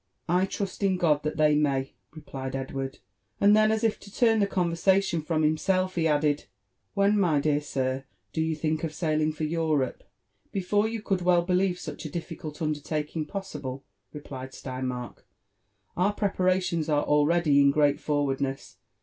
'* I trust in God that they may !" replied Edward : and then, as if to turn the conversation from himself, he added, "When, my dear sir, do you think of sailing fo|r Europe f ' JONATHAN JEFFERSON WHITLAW. 207 "Before you could well believe such a diflicult undertaking pos sible," replied Sleinmark. " Our preparations are already in great' forwardness.